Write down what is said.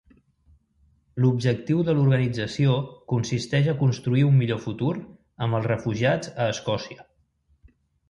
L'objectiu de l'organització consisteix a "construir un millor futur amb els refugiats a Escòcia".